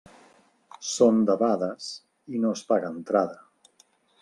Són debades i no es paga entrada.